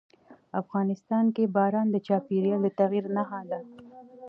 افغانستان کې باران د چاپېریال د تغیر نښه ده.